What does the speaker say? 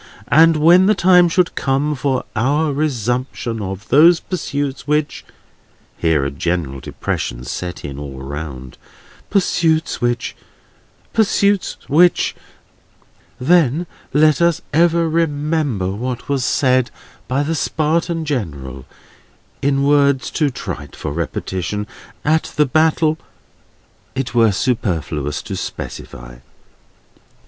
And when the time should come for our resumption of those pursuits which (here a general depression set in all round), pursuits which, pursuits which;—then let us ever remember what was said by the Spartan General, in words too trite for repetition, at the battle it were superfluous to specify.